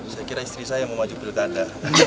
saya kira istri saya mau maju pilkada